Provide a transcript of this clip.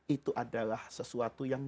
itu adalah sesuatu yang